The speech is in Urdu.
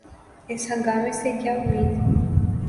اس ہنگامے سے کیا امید؟